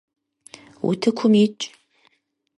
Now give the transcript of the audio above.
Утыкум икӏ.